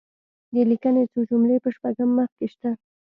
د لیکني څو جملې په شپږم مخ کې شته.